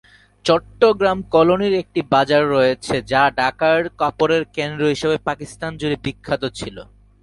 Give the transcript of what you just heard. চট্টগ্রাম কলোনির একটি বাজার রয়েছে, যা ঢাকার কাপড়ের কেন্দ্র হিসাবে পাকিস্তান জুড়ে বিখ্যাত ছিল।